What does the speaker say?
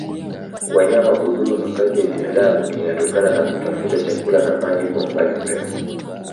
wanyama kudhuru makazi ya binadamu inatokana na kutafuta chakula na maji kwa umbali mrefu